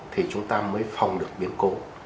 thì chúng ta mới phòng được biến cố